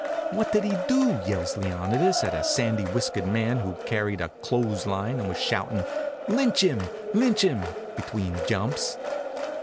"What did he do?" yells Leonidas at a sandy whiskered man who carried a clothes line and was shoutin', "Lynch him! Lynch him!" between jumps.